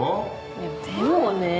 いやでもねぇ。